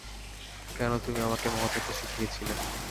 কেন তুমি আমাকে মহৎ হতে শিখিয়েছিলে?